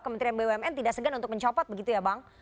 kementerian bumn tidak segan untuk mencopot begitu ya bang